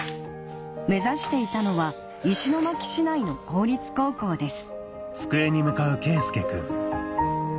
目指していたのは石巻市内の公立高校です